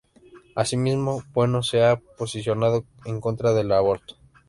Asimismo, Bueno se ha posicionado en contra del aborto.